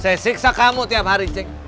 saya siksa kamu tiap hari